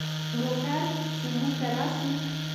موټر چې موږ ته راسي.